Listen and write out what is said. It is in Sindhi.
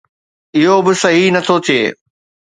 اهو به صحيح نٿو ٿئي.